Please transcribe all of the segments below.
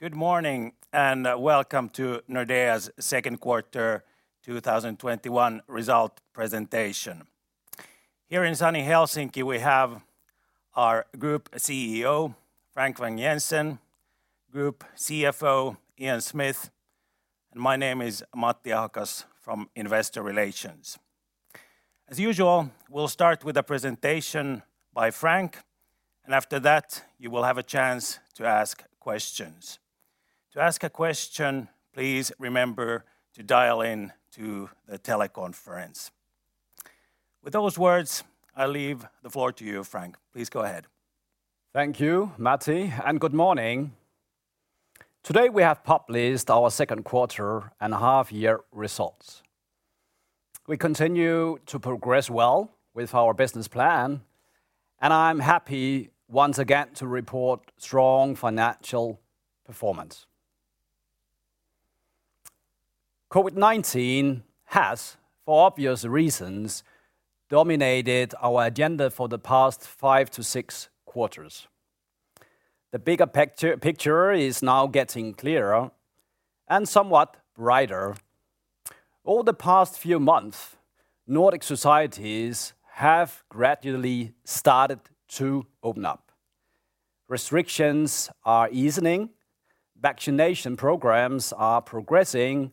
Good morning. Welcome to Nordea's second quarter 2021 result presentation. Here in Sunny Helsinki, we have our Group CEO, Frank Vang-Jensen, Group CFO, Ian Smith, and my name is Matti Ahokas from Investor Relations. As usual, we'll start with a presentation by Frank, and after that, you will have a chance to ask questions. To ask a question, please remember to dial in to the teleconference. With those words, I leave the floor to you, Frank. Please go ahead. Thank you, Matti. Good morning. Today we have published our second quarter and half year results. We continue to progress well with our business plan, and I'm happy once again to report strong financial performance. COVID-19 has, for obvious reasons, dominated our agenda for the past five to six quarters. The bigger picture is now getting clearer and somewhat brighter. Over the past few months, Nordic societies have gradually started to open up. Restrictions are easing, vaccination programs are progressing,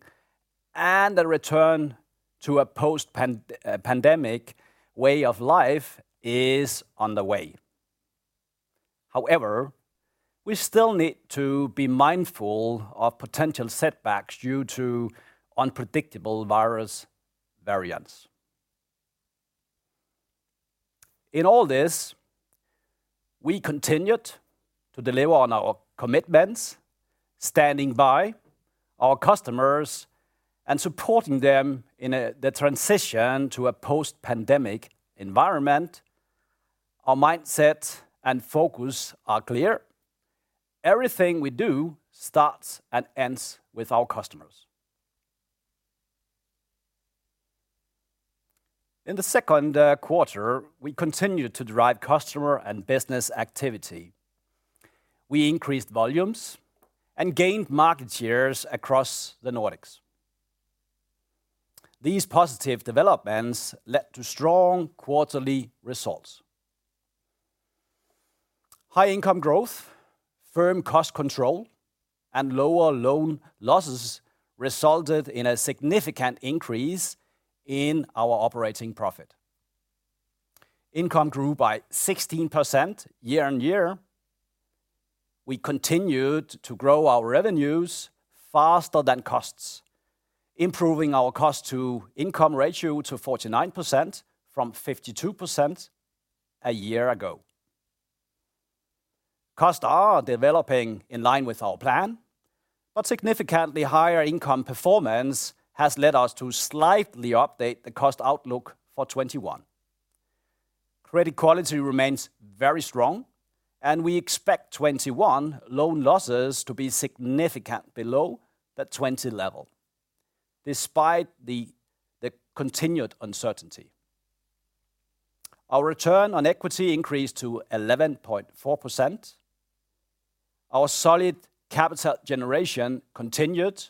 and the return to a post-pandemic way of life is on the way. However, we still need to be mindful of potential setbacks due to unpredictable virus variants. In all this, we continued to deliver on our commitments, standing by our customers and supporting them in the transition to a post-pandemic environment. Our mindset and focus are clear. Everything we do starts and ends with our customers. In the second quarter, we continued to drive customer and business activity. We increased volumes and gained market shares across the Nordics. These positive developments led to strong quarterly results. High income growth, firm cost control, and lower loan losses resulted in a significant increase in our operating profit. Income grew by 16% year-on-year. We continued to grow our revenues faster than costs, improving our cost-to-income ratio to 49% from 52% a year ago. Costs are developing in line with our plan, but significantly higher income performance has led us to slightly update the cost outlook for 2021. Credit quality remains very strong, and we expect 2021 loan losses to be significantly below the 2020 level, despite the continued uncertainty. Our return on equity increased to 11.4%. Our solid capital generation continued,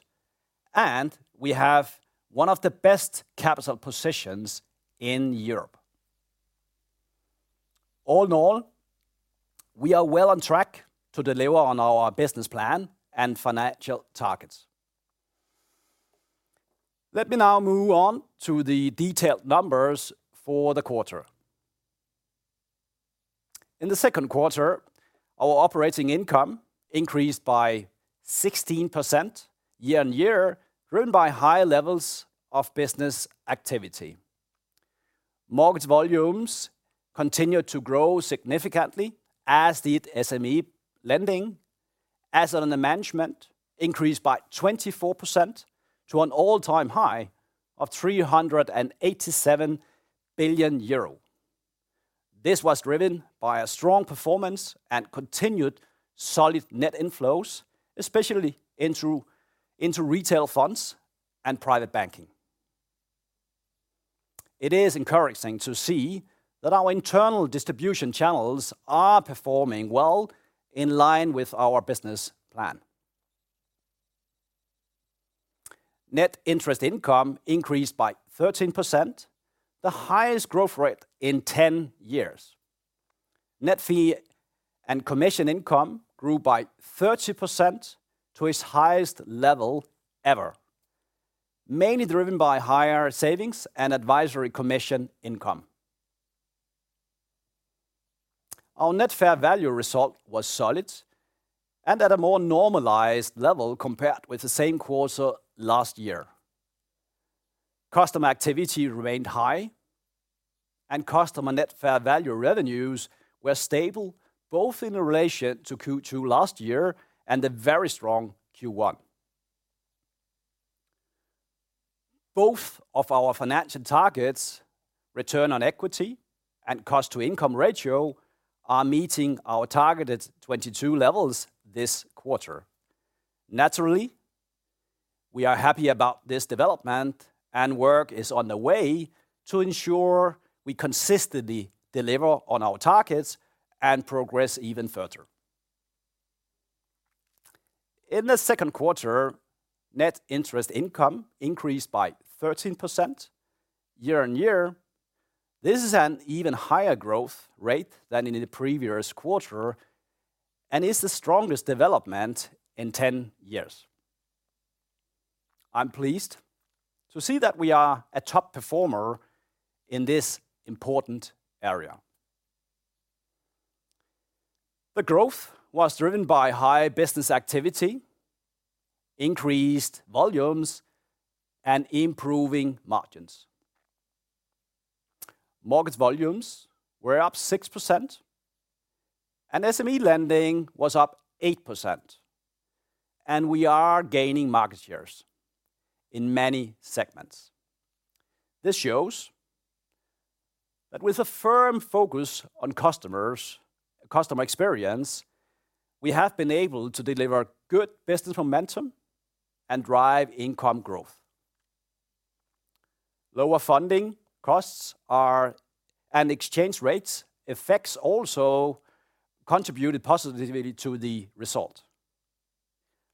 and we have one of the best capital positions in Europe. All in all, we are well on track to deliver on our business plan and financial targets. Let me now move on to the detailed numbers for the quarter. In the second quarter, our operating income increased by 16% year-on-year, driven by high levels of business activity. Mortgage volumes continued to grow significantly, as did SME lending. Assets under management increased by 24% to an all-time high of 387 billion euro. This was driven by a strong performance and continued solid net inflows, especially into retail funds and private banking. It is encouraging to see that our internal distribution channels are performing well, in line with our business plan. Net interest income increased by 13%, the highest growth rate in 10 years. Net fee and commission income grew by 30% to its highest level ever, mainly driven by higher savings and advisory commission income. Our net fair value result was solid and at a more normalized level compared with the same quarter last year. Customer activity remained high, and customer net fair value revenues were stable, both in relation to Q2 last year and the very strong Q1. Both of our financial targets, return on equity and cost-to-income ratio, are meeting our targeted 2022 levels this quarter. Naturally, we are happy about this development and work is on the way to ensure we consistently deliver on our targets and progress even further. In the second quarter, net interest income increased by 13% year-on-year. This is an even higher growth rate than in the previous quarter and is the strongest development in 10 years. I'm pleased to see that we are a top performer in this important area. The growth was driven by high business activity, increased volumes, and improving margins. Mortgage volumes were up 6%, and SME lending was up 8%, and we are gaining market shares in many segments. This shows that with a firm focus on customer experience, we have been able to deliver good business momentum and drive income growth. Lower funding costs and exchange rates effects also contributed positively to the result.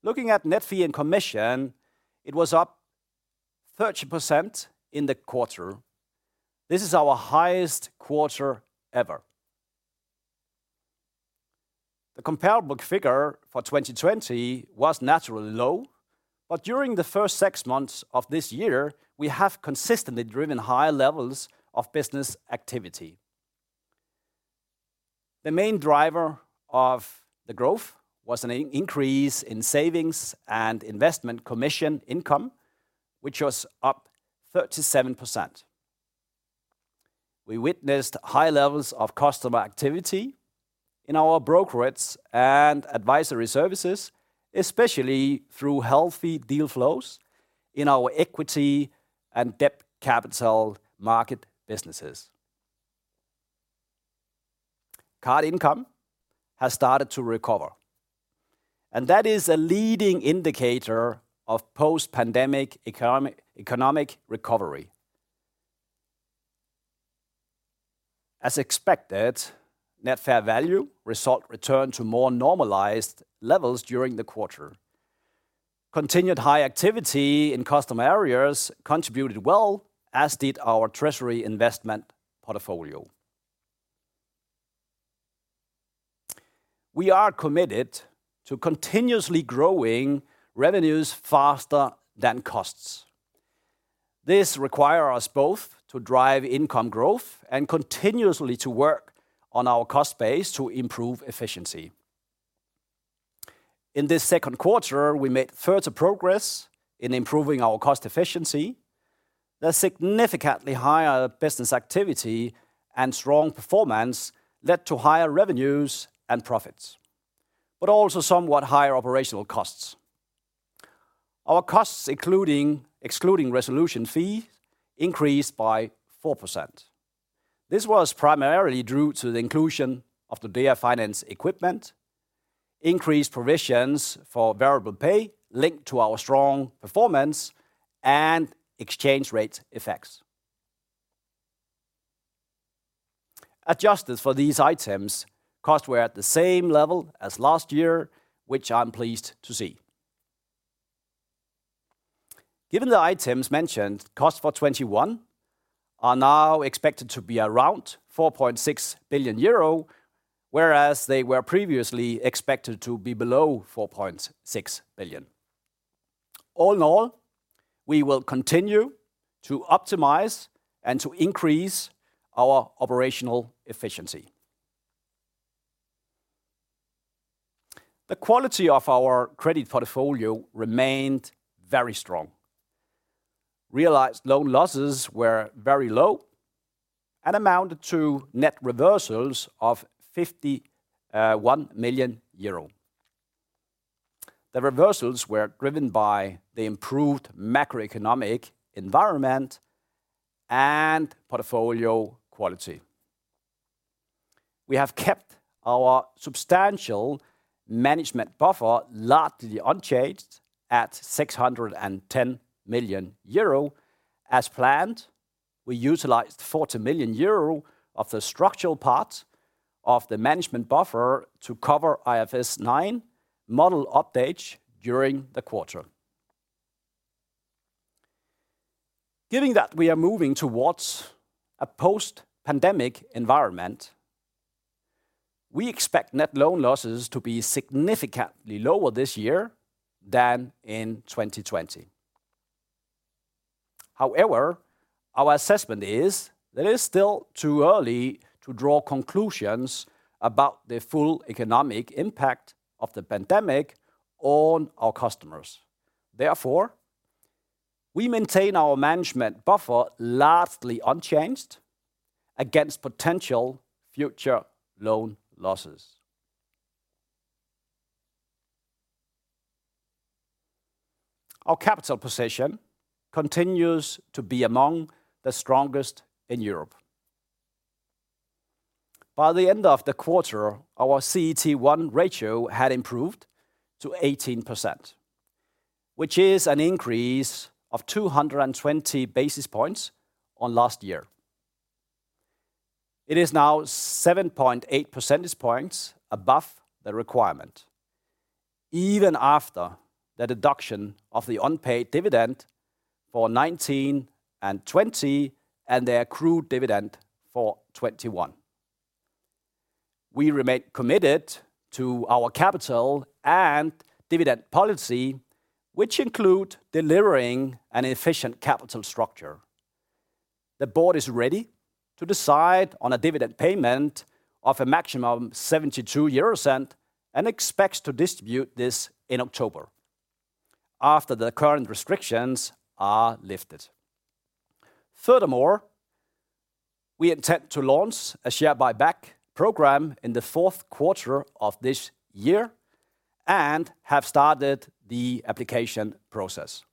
Looking at net fee and commission, it was up 30% in the quarter. This is our highest quarter ever. The comparable figure for 2020 was naturally low, but during the first six months of this year, we have consistently driven high levels of business activity. The main driver of the growth was an increase in savings and investment commission income, which was up 37%. We witnessed high levels of customer activity in our brokerages and advisory services, especially through healthy deal flows in our equity and debt capital markets businesses. Card income has started to recover, and that is a leading indicator of post-pandemic economic recovery. As expected, net fair value result returned to more normalized levels during the quarter. Continued high activity in customer areas contributed well, as did our treasury investment portfolio. We are committed to continuously growing revenues faster than costs. This require us both to drive income growth and continuously to work on our cost base to improve efficiency. In this second quarter, we made further progress in improving our cost efficiency. The significantly higher business activity and strong performance led to higher revenues and profits, but also somewhat higher operational costs. Our costs, excluding resolution fees, increased by 4%. This was primarily due to the inclusion of the Nordea Finance Equipment, increased provisions for variable pay linked to our strong performance, and exchange rate effects. Adjusted for these items, costs were at the same level as last year, which I'm pleased to see. Given the items mentioned, costs for 2021 are now expected to be around 4.6 billion euro, whereas they were previously expected to be below 4.6 billion. All in all, we will continue to optimize and to increase our operational efficiency. The quality of our credit portfolio remained very strong. Realized loan losses were very low and amounted to net reversals of 51 million euro. The reversals were driven by the improved macroeconomic environment and portfolio quality. We have kept our substantial management buffer largely unchanged at 610 million euro. As planned, we utilized 40 million euro of the structural part of the management buffer to cover IFRS 9 model updates during the quarter. Given that we are moving towards a post-pandemic environment, we expect net loan losses to be significantly lower this year than in 2020. Our assessment is that it is still too early to draw conclusions about the full economic impact of the pandemic on our customers. We maintain our management buffer largely unchanged against potential future loan losses. Our capital position continues to be among the strongest in Europe. By the end of the quarter, our CET1 ratio had improved to 18%, which is an increase of 220 basis points on last year. It is now 7.8 percentage points above the requirement, even after the deduction of the unpaid dividend for 2019 and 2020 and the accrued dividend for 2021. We remain committed to our capital and dividend policy, which include delivering an efficient capital structure. The board is ready to decide on a dividend payment of a maximum 0.72 and expects to distribute this in October after the current restrictions are lifted. We intend to launch a share buyback program in the fourth quarter of this year and have started the application process.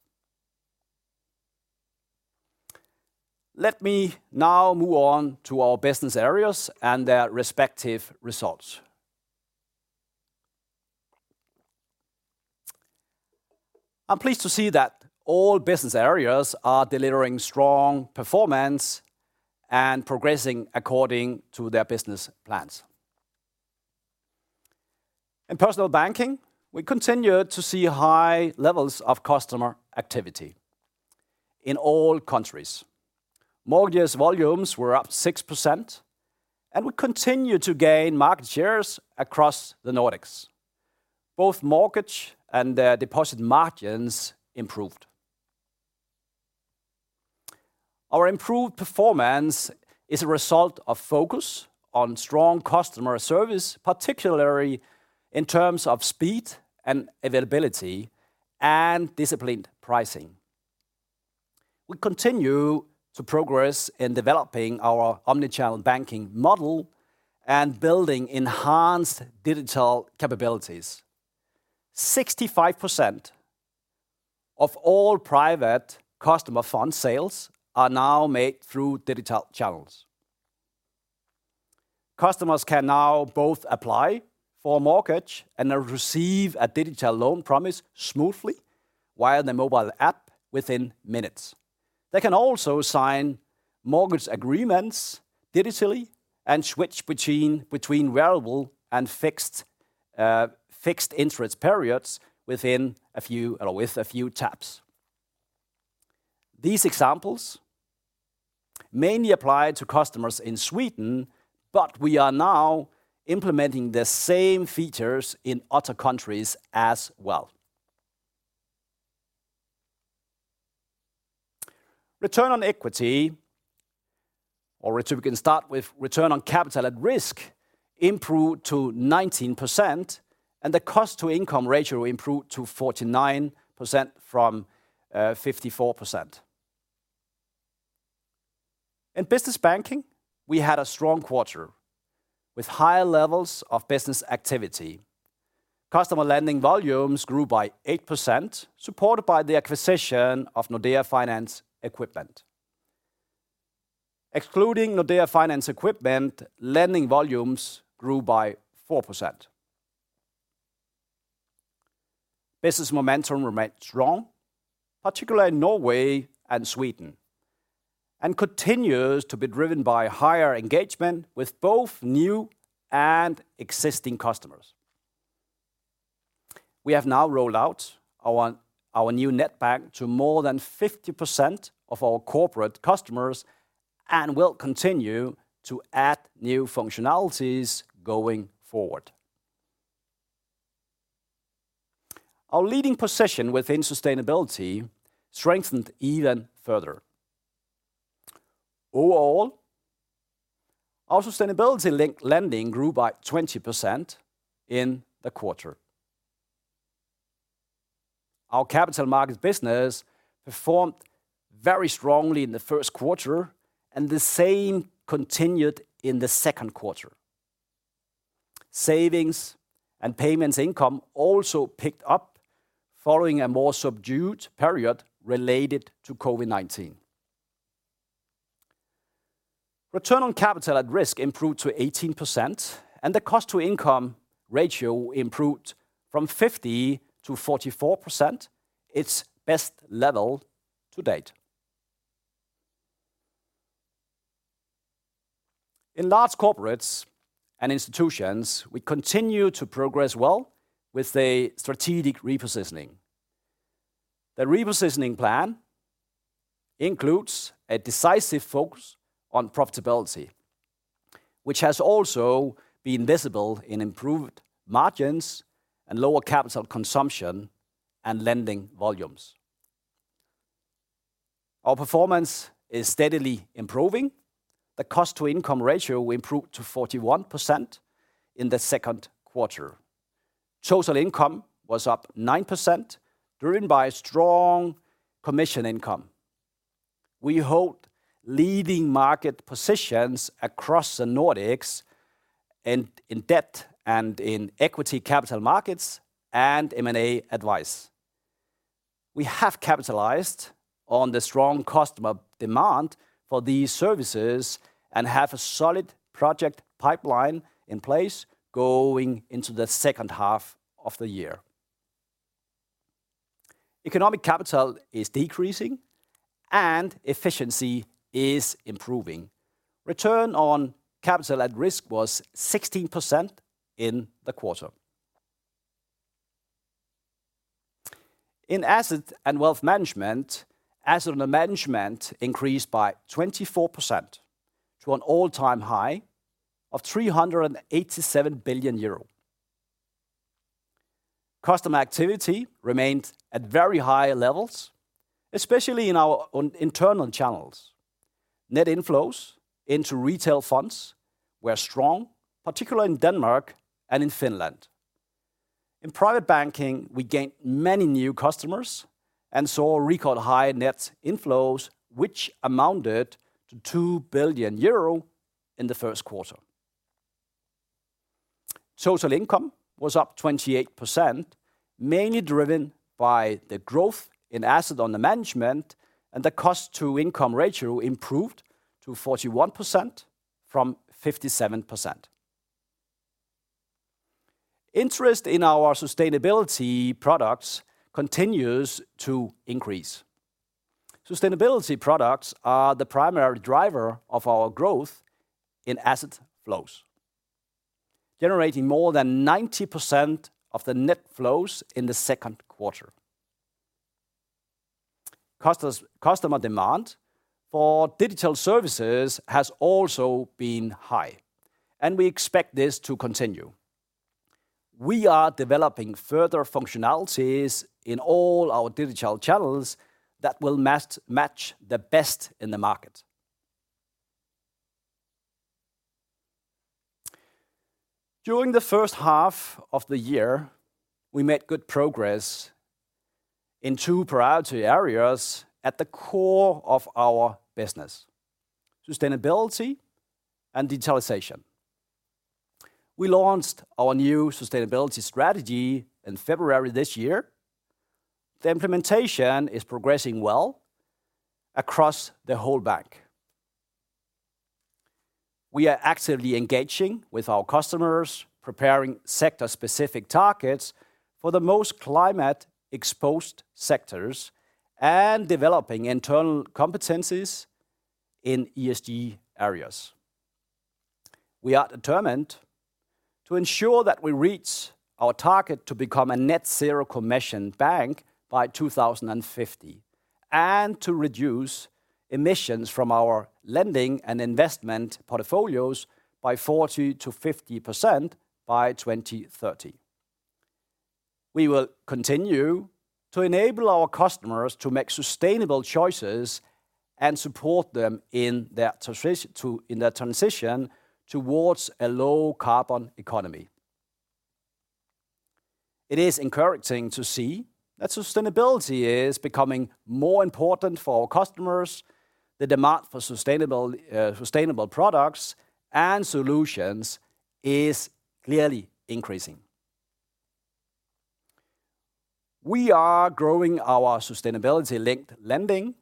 Let me now move on to our business areas and their respective results. I'm pleased to see that all business areas are delivering strong performance and progressing according to their business plans. In Personal Banking, we continue to see high levels of customer activity in all countries. Mortgage volumes were up 6%, and we continue to gain market shares across the Nordics. Both mortgage and the deposit margins improved. Our improved performance is a result of focus on strong customer service, particularly in terms of speed and availability and disciplined pricing. We continue to progress in developing our omnichannel banking model and building enhanced digital capabilities. 65% of all private customer fund sales are now made through digital channels. Customers can now both apply for a mortgage and receive a digital loan promise smoothly via the mobile app within minutes. They can also sign mortgage agreements digitally and switch between variable and fixed interest periods with a few taps. These examples mainly apply to customers in Sweden, but we are now implementing the same features in other countries as well. Return on equity, or we can start with return on capital at risk, improved to 19%, and the cost-to-income ratio improved to 49% from 54%. In Business Banking, we had a strong quarter with higher levels of business activity. Customer lending volumes grew by 8%, supported by the acquisition of Nordea Finance equipment. Excluding Nordea Finance equipment, lending volumes grew by 4%. Business momentum remains strong, particularly in Norway and Sweden, and continues to be driven by higher engagement with both new and existing customers. We have now rolled out our new net bank to more than 50% of our corporate customers and will continue to add new functionalities going forward. Our leading position within sustainability strengthened even further. Overall, our sustainability-linked lending grew by 20% in the quarter. Our capital markets business performed very strongly in the first quarter, and the same continued in the second quarter. Savings and payments income also picked up following a more subdued period related to COVID-19. Return on capital at risk improved to 18%, and the cost-to-income ratio improved from 50% to 44%, its best level to date. In Large Corporates and Institutions, we continue to progress well with the strategic repositioning. The repositioning plan includes a decisive focus on profitability, which has also been visible in improved margins and lower capital consumption and lending volumes. Our performance is steadily improving. The cost-to-income ratio improved to 41% in the second quarter. Total income was up 9%, driven by strong commission income. We hold leading market positions across the Nordics and in debt capital markets and equity capital markets and M&A advice. We have capitalized on the strong customer demand for these services and have a solid project pipeline in place going into the second half of the year. Economic capital is decreasing and efficiency is improving. Return on capital at risk was 16% in the quarter. In Asset and Wealth Management, assets under management increased by 24% to an all-time high of 387 billion euro. Customer activity remained at very high levels, especially in our own internal channels. Net inflows into retail funds were strong, particularly in Denmark and in Finland. In private banking, we gained many new customers and saw record high net inflows, which amounted to 2 billion euro in the first quarter. Total income was up 28%, mainly driven by the growth in assets under management and the cost-to-income ratio improved to 41% from 57%. Interest in our sustainability products continues to increase. Sustainability products are the primary driver of our growth in asset flows, generating more than 90% of the net flows in the second quarter. Customer demand for digital services has also been high. We expect this to continue. We are developing further functionalities in all our digital channels that will match the best in the market. During the first half of the year, we made good progress in two priority areas at the core of our business, sustainability and digitalization. We launched our new sustainability strategy in February this year. The implementation is progressing well across the whole bank. We are actively engaging with our customers, preparing sector-specific targets for the most climate-exposed sectors, and developing internal competencies in ESG areas. We are determined to ensure that we reach our target to become a net zero commissioned bank by 2050, and to reduce emissions from our lending and investment portfolios by 40%-50% by 2030. We will continue to enable our customers to make sustainable choices and support them in their transition towards a low carbon economy. It is encouraging to see that sustainability is becoming more important for our customers. The demand for sustainable products and solutions is clearly increasing. We are growing our sustainability-linked lending.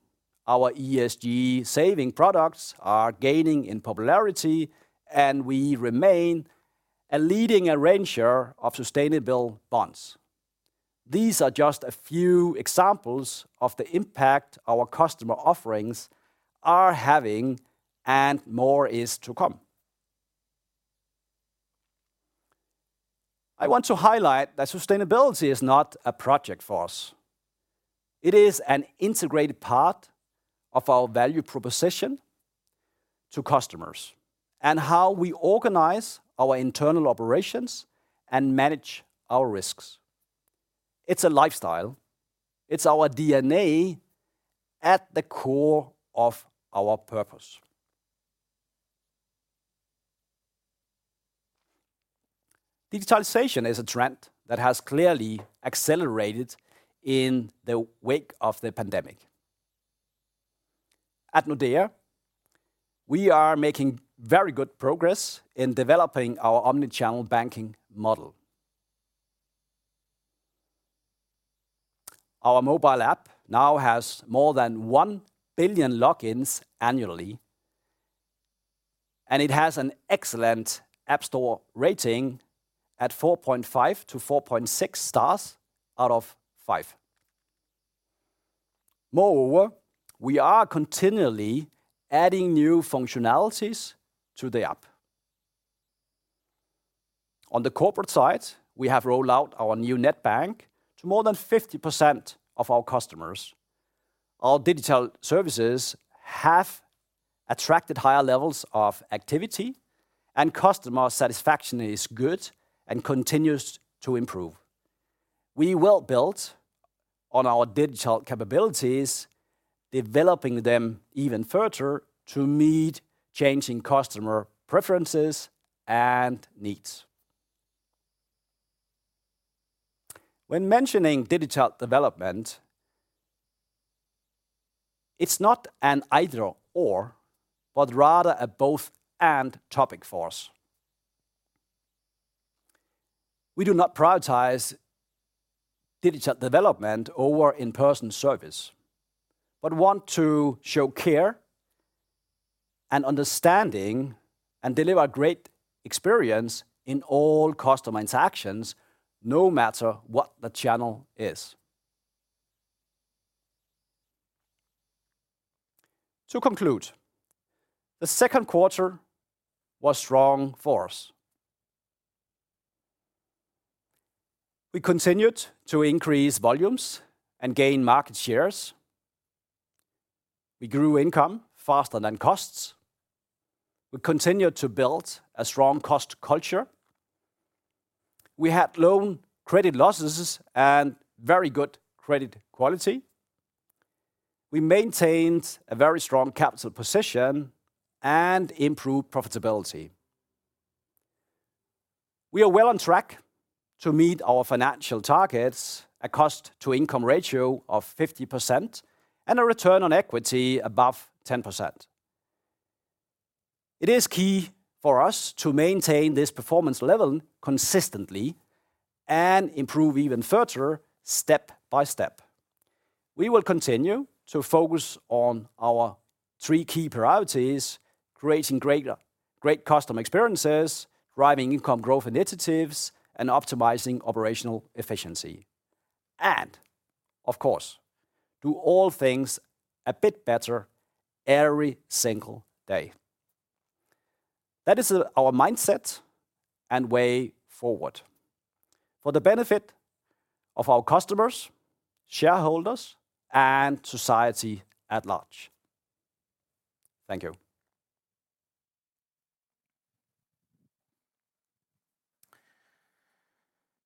Our ESG saving products are gaining in popularity, and we remain a leading arranger of sustainable bonds. These are just a few examples of the impact our customer offerings are having, and more is to come. I want to highlight that sustainability is not a project for us. It is an integrated part of our value proposition to customers and how we organize our internal operations and manage our risks. It's a lifestyle. It's our DNA at the core of our purpose. Digitalization is a trend that has clearly accelerated in the wake of the pandemic. At Nordea, we are making very good progress in developing our omnichannel banking model. Our mobile app now has more than 1 billion logins annually, and it has an excellent app store rating at 4.5-4.6 stars out of 5. Moreover, we are continually adding new functionalities to the app. On the corporate side, we have rolled out our new net bank to more than 50% of our customers. Our digital services have attracted higher levels of activity and customer satisfaction is good and continues to improve. We will build on our digital capabilities, developing them even further to meet changing customer preferences and needs. When mentioning digital development, it's not an either/or, but rather a both/and topic for us. We do not prioritize digital development over in-person service, but want to show care and understanding and deliver great experience in all customer interactions, no matter what the channel is. To conclude, the second quarter was strong for us. We continued to increase volumes and gain market shares. We grew income faster than costs. We continued to build a strong cost culture. We had low credit losses and very good credit quality. We maintained a very strong capital position and improved profitability. We are well on track to meet our financial targets, a cost-to-income ratio of 50% and a return on equity above 10%. It is key for us to maintain this performance level consistently and improve even further step by step. We will continue to focus on our three key priorities, creating great customer experiences, driving income growth initiatives, and optimizing operational efficiency. Of course, do all things a bit better every single day. That is our mindset and way forward, for the benefit of our customers, shareholders, and society at large. Thank you.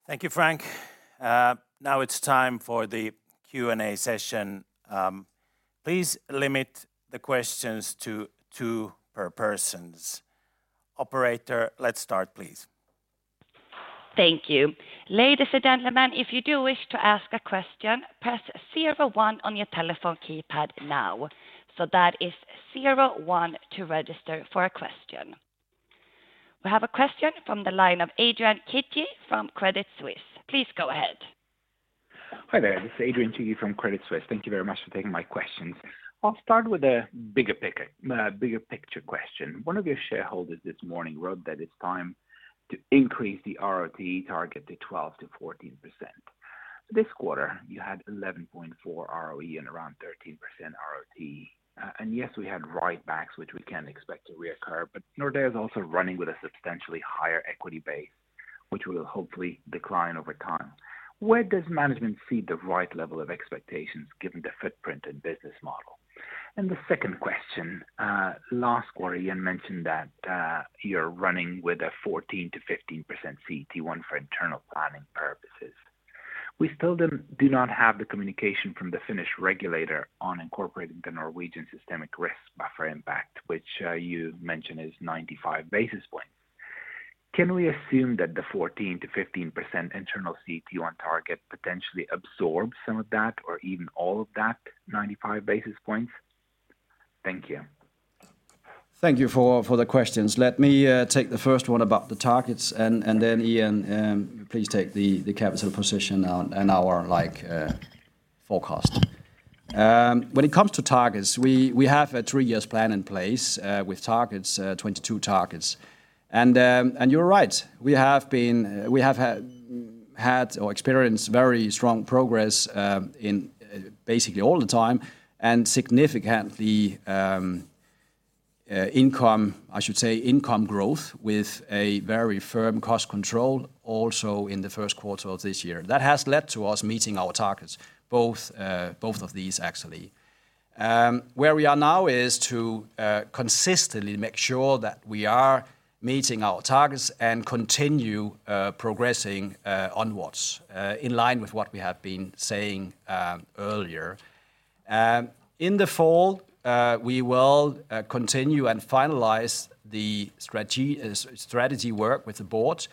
Thank you, Frank. It's time for the Q&A session. Please limit the questions to two per person. Operator, let's start, please. Thank you. Ladies and gentlemen, if you do wish to ask a question, press zero one on your telephone keypad now. That is zero one to register for a question. We have a question from the line of Adrian Cighi from Credit Suisse. Please go ahead. Hi there. This is Adrian Cighi from Credit Suisse. Thank you very much for taking my questions. I'll start with a bigger picture question. One of your shareholders this morning wrote that it's time to increase the ROTE target to 12%-14%. This quarter, you had 11.4% ROE and around 13% ROTE. Yes, we had write-backs, which we can expect to reoccur, but Nordea is also running with a substantially higher equity base, which will hopefully decline over time. Where does management see the right level of expectations given the footprint and business model? The second question, last quarter, Ian mentioned that you're running with a 14%-15% CET1 for internal planning purposes. We still do not have the communication from the Finnish regulator on incorporating the Norwegian systemic risk buffer impact, which you mentioned is 95 basis points. Can we assume that the 14%-15% internal CET1 target potentially absorbs some of that or even all of that 95 basis points? Thank you. Thank you for the questions. Let me take the first one about the targets. Ian, please take the capital position and our forecast. When it comes to targets, we have a three years plan in place with targets, 2022 targets. You're right. We have had or experienced very strong progress in basically all the time and significant income growth with a very firm cost control also in the first quarter of this year. That has led to us meeting our targets, both of these, actually. Where we are now is to consistently make sure that we are meeting our targets and continue progressing onwards, in line with what we have been saying earlier. In the fall, we will continue and finalize the strategy work with the board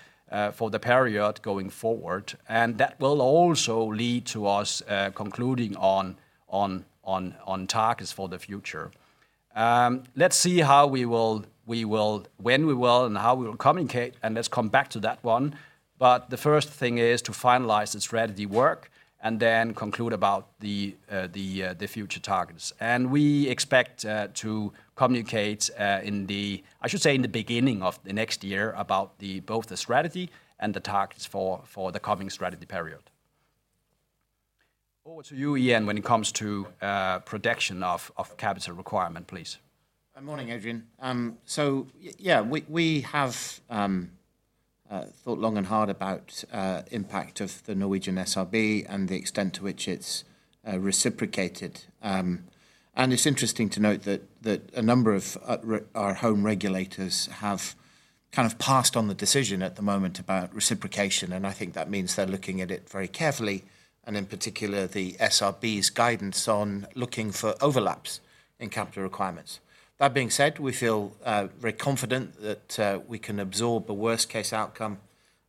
for the period going forward, and that will also lead to us concluding on targets for the future. Let's see when we will and how we will communicate, and let's come back to that one. The first thing is to finalize the strategy work and then conclude about the future targets. We expect to communicate in the, I should say, in the beginning of the next year about both the strategy and the targets for the coming strategy period. Over to you, Ian, when it comes to production of capital requirement, please. Good morning, Adrian. We have thought long and hard about impact of the Norwegian SRB and the extent to which it's reciprocated. It's interesting to note that a number of our home regulators have passed on the decision at the moment about reciprocation, and I think that means they're looking at it very carefully, and in particular, the SRB's guidance on looking for overlaps in capital requirements. That being said, we feel very confident that we can absorb the worst case outcome.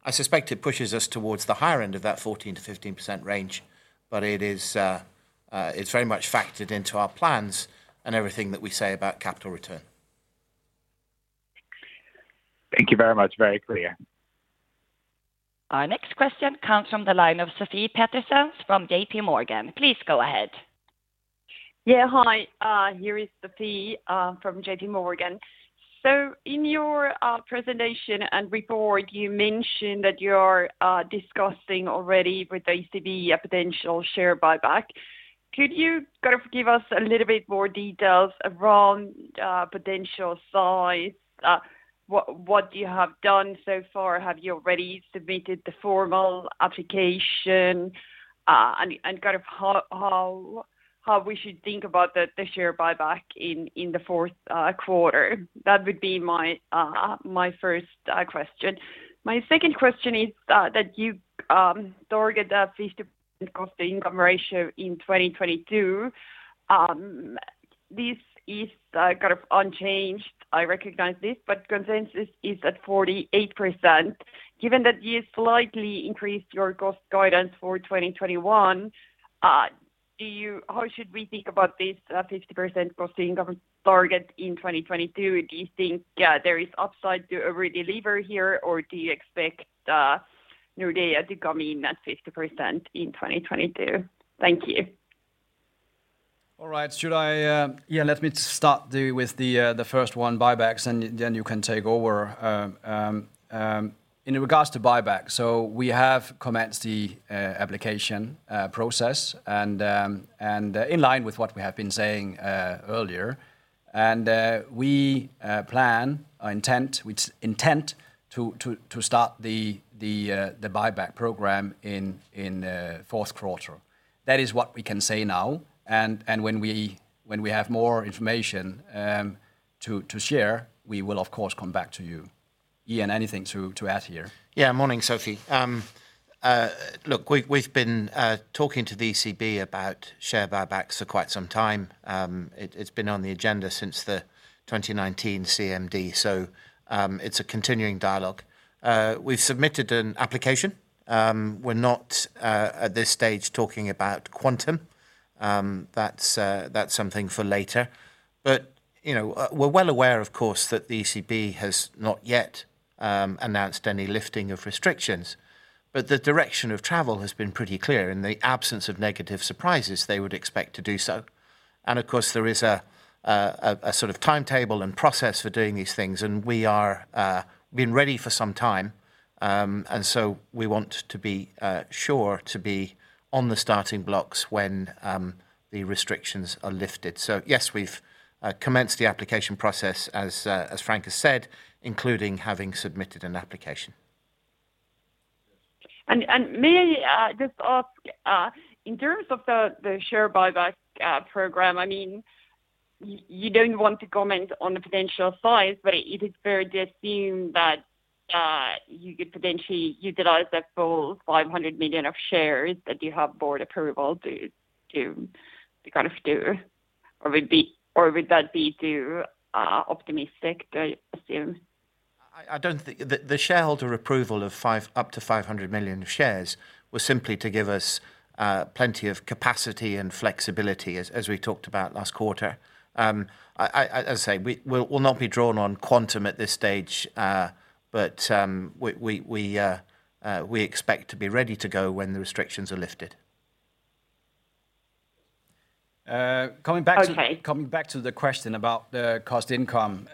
I suspect it pushes us towards the higher end of that 14%-15% range, but it's very much factored into our plans and everything that we say about capital return. Thank you very much. Very clear. Our next question comes from the line of Sofie Peterzéns from JPMorgan. Please go ahead. Yeah. Hi, here is Sofie from JPMorgan. In your presentation and report, you mentioned that you are discussing already with the ECB a potential share buyback. Could you give us a little bit more details around potential size? What you have done so far, have you already submitted the formal application? How we should think about the share buyback in the fourth quarter? That would be my first question. My second question is that you target a 50% cost-to-income ratio in 2022. This is unchanged. I recognize this, but consensus is at 48%. Given that you slightly increased your cost guidance for 2021, how should we think about this 50% cost-to-income target in 2022? Do you think there is upside to over-deliver here, or do you expect Nordea to come in at 50% in 2022? Thank you. All right. Let me start with the first one, buybacks, and then you can take over. In regards to buyback, we have commenced the application process and in line with what we have been saying earlier, we intend to start the buyback program in fourth quarter. That is what we can say now. When we have more information to share, we will of course, come back to you. Ian, anything to add here? Yeah. Morning, Sofie. Look, we've been talking to the ECB about share buybacks for quite some time. It's been on the agenda since the 2019 CMD. It's a continuing dialogue. We've submitted an application. We're not, at this stage, talking about quantum. That's something for later. We're well aware, of course, that the ECB has not yet announced any lifting of restrictions, but the direction of travel has been pretty clear. In the absence of negative surprises, they would expect to do so. Of course, there is a sort of timetable and process for doing these things, and we are being ready for some time. We want to be sure to be on the starting blocks when the restrictions are lifted. Yes, we've commenced the application process as Frank has said, including having submitted an application. May I just ask, in terms of the share buyback program, you don't want to comment on the potential size, but it is fair to assume that you could potentially utilize that full 500 million of shares that you have board approval to do or would that be too optimistic to assume? I don't think the shareholder approval of up to 500 million of shares was simply to give us plenty of capacity and flexibility as we talked about last quarter. As I say, we will not be drawn on quantum at this stage, but we expect to be ready to go when the restrictions are lifted. Okay. Coming back to the question about the cost income.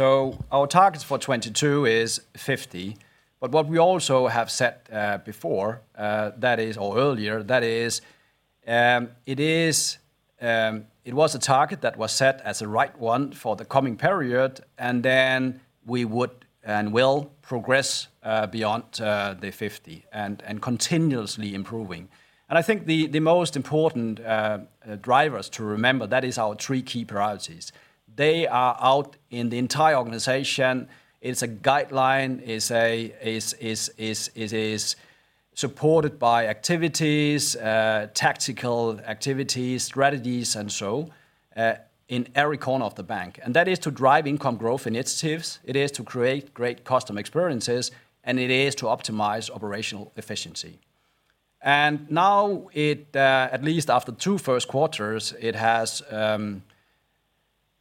Our target for 2022 is 50%, but what we also have set before, or earlier, it was a target that was set as the right one for the coming period, then we would and will progress beyond the 50% and continuously improving. I think the most important drivers to remember, our three key priorities. They are out in the entire organization. It's a guideline. It is supported by activities, tactical activities, strategies and so, in every corner of the bank. That is to drive income growth initiatives, it is to create great customer experiences, and it is to optimize operational efficiency. Now it, at least after two first quarters, it has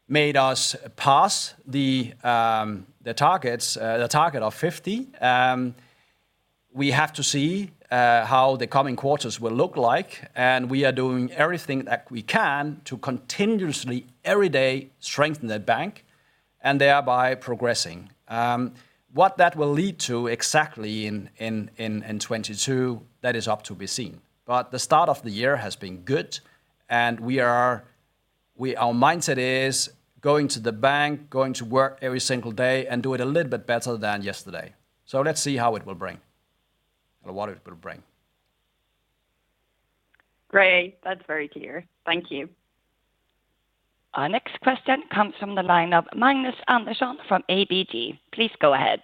made us pass the target of 50%. We have to see how the coming quarters will look like, and we are doing everything that we can to continuously, every day, strengthen the bank, and thereby progressing. What that will lead to exactly in 2022, that is up to be seen. The start of the year has been good, and our mindset is going to the bank, going to work every single day, and do it a little bit better than yesterday. Let's see how it will bring and what it will bring. Great. That's very clear. Thank you. Our next question comes from the line of Magnus Andersson from ABG. Please go ahead.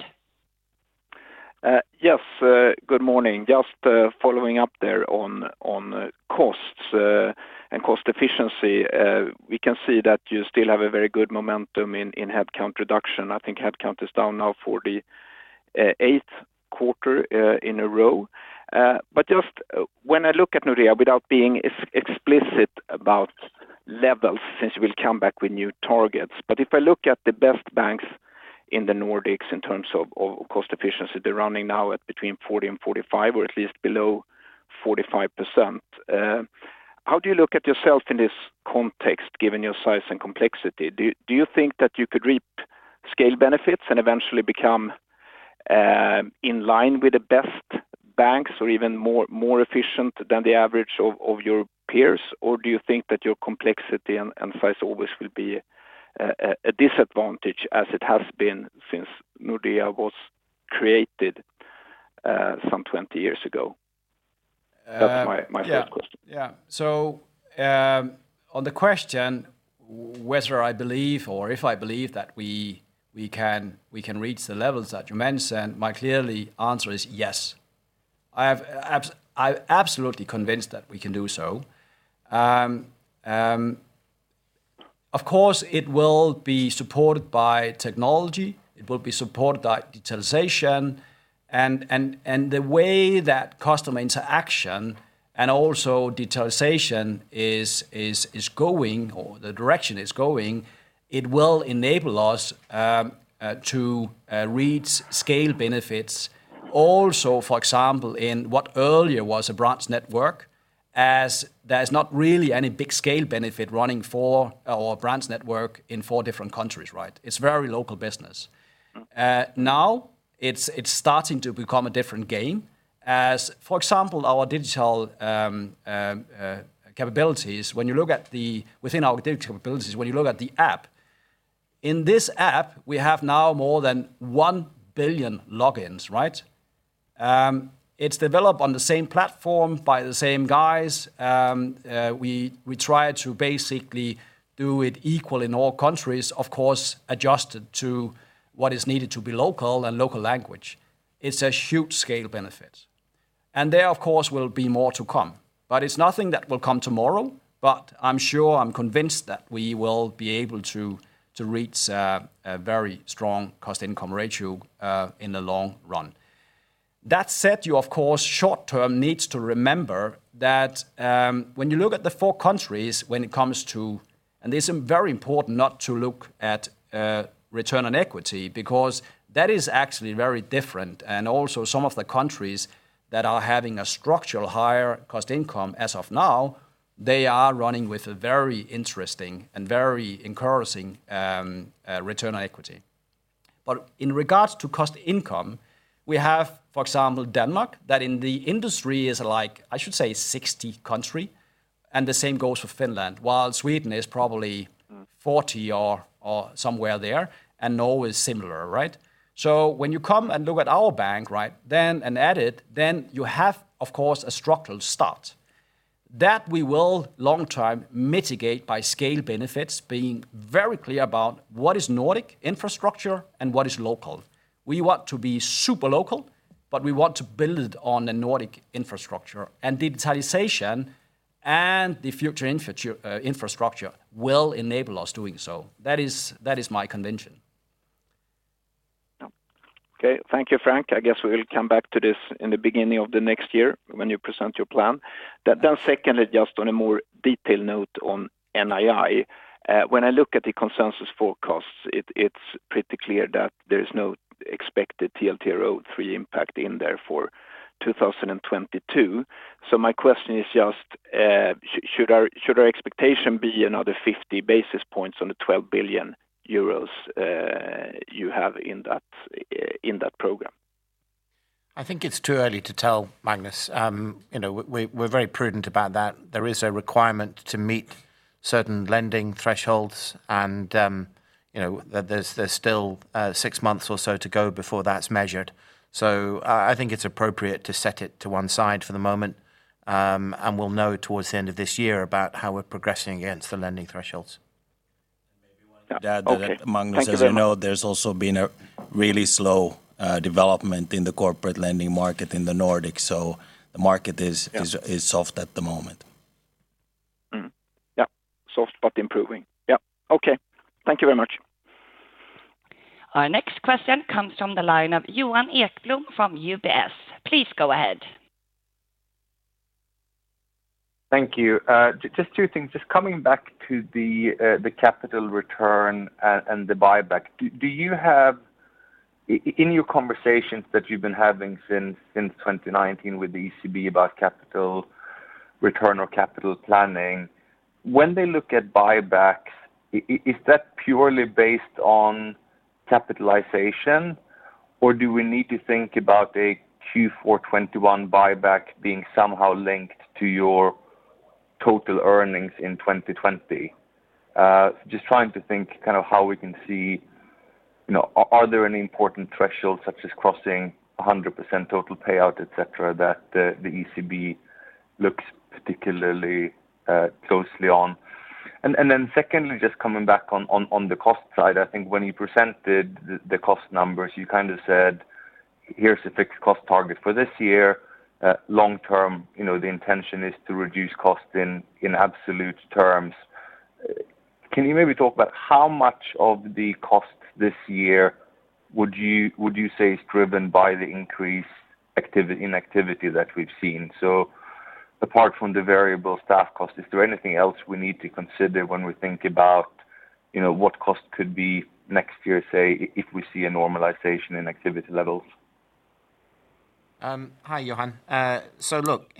Yes, good morning. Just following up there on costs and cost efficiency. We can see that you still have a very good momentum in headcount reduction. I think headcount is down now 48th quarter in a row. Just when I look at Nordea, without being explicit about levels, since we'll come back with new targets, but if I look at the best banks in the Nordics in terms of cost efficiency, they're running now at between 40% and 45%, or at least below 45%. How do you look at yourself in this context, given your size and complexity? Do you think that you could reap scale benefits and eventually become in line with the best banks or even more efficient than the average of your peers? Do you think that your complexity and size always will be a disadvantage as it has been since Nordea was created some 20 years ago? That's my first question. On the question whether I believe or if I believe that we can reach the levels that you mentioned, my clear answer is yes. I am absolutely convinced that we can do so. Of course, it will be supported by technology, it will be supported by digitalization, and the way that customer interaction and also digitalization is going, or the direction it is going, it will enable us to reach scale benefits. Also, for example, in what earlier was a branch network, as there is not really any big scale benefit running our branch network in four different countries. It is very local business. Now it is starting to become a different game as, for example, our digital capabilities, within our digital capabilities, when you look at the app. In this app, we have now more than 1 billion logins. It is developed on the same platform by the same guys. We try to basically do it equal in all countries, of course, adjusted to what is needed to be local and local language. It's a huge scale benefit. There, of course, will be more to come, but it's nothing that will come tomorrow. I'm sure, I'm convinced that we will be able to reach a very strong cost-income ratio in the long run. That said, you, of course, short term needs to remember that when you look at the four countries when it comes to, and this is very important not to look at return on equity because that is actually very different, and also some of the countries that are having a structural higher cost income as of now, they are running with a very interesting and very encouraging return on equity. In regards to cost income, we have, for example, Denmark, that in the industry is like, I should say 60% country, and the same goes for Finland, while Sweden is probably 40% or somewhere there, and Norway is similar. When you come and look at our bank then and at it, then you have, of course, a structural start. That we will long-term mitigate by scale benefits, being very clear about what is Nordic infrastructure and what is local. We want to be super local, but we want to build on the Nordic infrastructure. Digitalization and the future infrastructure will enable us doing so. That is my conviction. Okay. Thank you, Frank. I guess we'll come back to this in the beginning of the next year when you present your plan. Secondly, just on a more detailed note on NII. When I look at the consensus forecasts, it's pretty clear that there's no expected TLTRO III impact in there for 2022. My question is just, should our expectation be another 50 basis points on the 12 billion euros you have in that program? I think it's too early to tell, Magnus. We're very prudent about that. There is a requirement to meet certain lending thresholds, and there's still six months or so to go before that's measured. I think it's appropriate to set it to one side for the moment, and we'll know towards the end of this year about how we're progressing against the lending thresholds. Maybe one to add that. Okay. Thank you very much. Magnus, as you know, there's also been a really slow development in the corporate lending market in the Nordics, so the market is soft at the moment. Yeah. Soft but improving. Yeah. Okay. Thank you very much. Our next question comes from the line of Johan Ekblom from UBS. Please go ahead. Thank you. Just two things. Just coming back to the capital return and the buyback. Do you have, in your conversations that you've been having since 2019 with the ECB about capital return or capital planning, when they look at buybacks, is that purely based on capitalization, or do we need to think about a Q4 2021 buyback being somehow linked to your total earnings in 2020? Just trying to think how we can see, are there any important thresholds such as crossing 100% total payout, et cetera, that the ECB looks particularly closely on? Secondly, just coming back on the cost side, I think when you presented the cost numbers, you said, "Here's the fixed cost target for this year. Long term, the intention is to reduce cost in absolute terms. Can you maybe talk about how much of the cost this year would you say is driven by the increased inactivity that we've seen? Apart from the variable staff cost, is there anything else we need to consider when we think about what cost could be next year, say, if we see a normalization in activity levels? Hi, Johan. Look,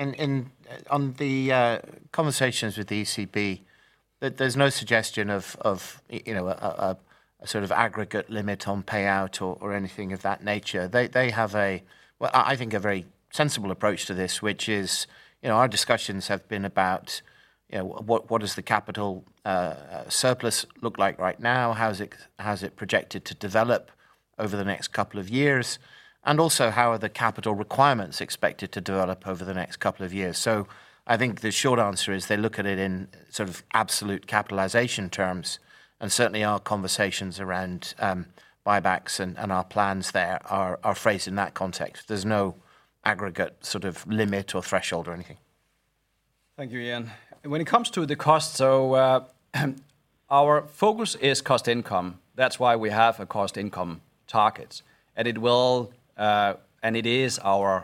on the conversations with the ECB, there's no suggestion of a sort of aggregate limit on payout or anything of that nature. They have, I think, a very sensible approach to this, which is our discussions have been about what does the capital surplus look like right now, how's it projected to develop over the next couple of years, and also how are the capital requirements expected to develop over the next couple of years. I think the short answer is they look at it in absolute capitalization terms, and certainly our conversations around buybacks and our plans there are phrased in that context. There's no aggregate limit or threshold or anything. Thank you, Ian. When it comes to the cost, our focus is cost income. That's why we have a cost income target, and it is our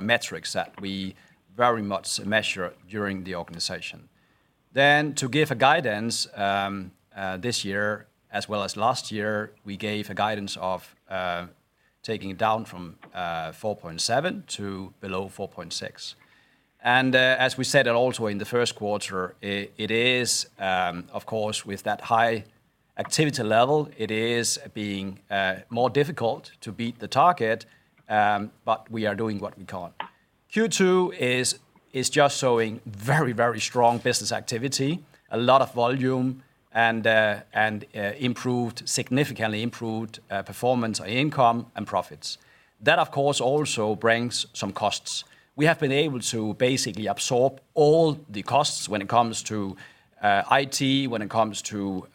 metrics that we very much measure during the organization. To give a guidance this year as well as last year, we gave a guidance of taking it down from 4.7% to below 4.6%. As we said it also in the first quarter, of course, with that high activity level, it is being more difficult to beat the target, but we are doing what we can. Q2 is just showing very strong business activity, a lot of volume, and significantly improved performance on income and profits. That, of course, also brings some costs. We have been able to basically absorb all the costs when it comes to IT, when it comes to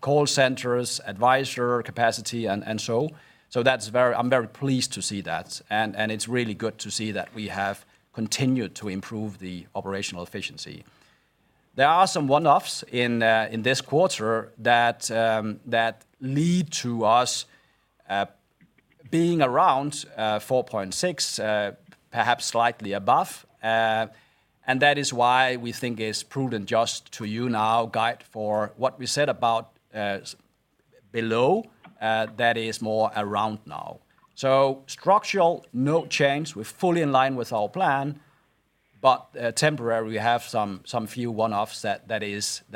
call centers, advisor capacity, and so on. I'm very pleased to see that. It's really good to see that we have continued to improve the operational efficiency. There are some one-offs in this quarter that lead to us being around 4.6 billion, perhaps slightly above. That is why we think it's prudent just to you now guide for what we said about below, that is more around now. Structural, no change. We're fully in line with our plan, but temporarily we have some few one-offs that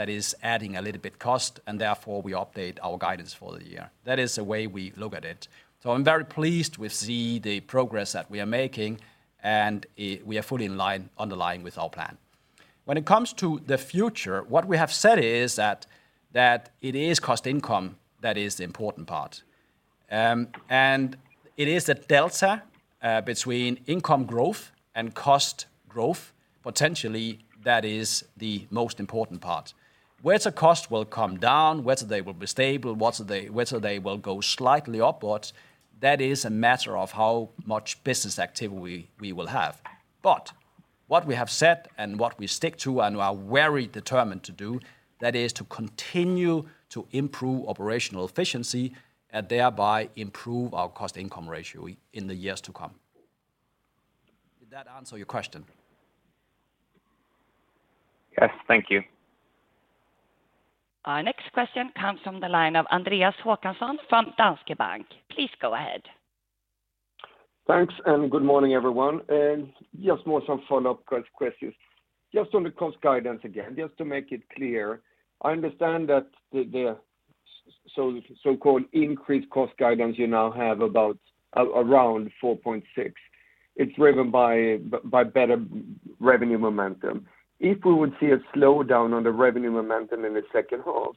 is adding a little bit cost, and therefore we update our guidance for the year. That is the way we look at it. I'm very pleased with the progress that we are making, and we are fully on the line with our plan. When it comes to the future, what we have said is that it is cost income that is the important part. It is the delta between income growth and cost growth, potentially that is the most important part. Whether cost will come down, whether they will be stable, whether they will go slightly upwards, that is a matter of how much business activity we will have. What we have said and what we stick to and are very determined to do, that is to continue to improve operational efficiency and thereby improve our cost-to-income ratio in the years to come. Did that answer your question? Yes. Thank you. Our next question comes from the line of Andreas Håkansson from Danske Bank. Please go ahead. Thanks, good morning, everyone. Just more some follow-up questions. Just on the cost guidance, again, just to make it clear, I understand that the so-called increased cost guidance you now have about around 4.6 billion, it's driven by better revenue momentum. If we would see a slowdown on the revenue momentum in the second half,